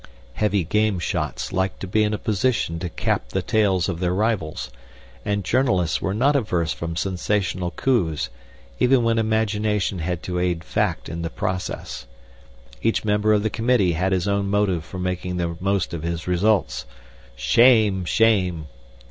Heavy game shots liked to be in a position to cap the tales of their rivals, and journalists were not averse from sensational coups, even when imagination had to aid fact in the process. Each member of the committee had his own motive for making the most of his results. ('Shame! shame!')